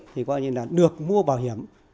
thì coi như là được mua bảo hiểm